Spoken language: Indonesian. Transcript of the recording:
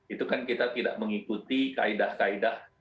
itu kan kita tidak mengikuti kaedah kaedah